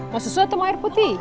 mau susu atau mau air putih